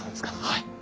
はい。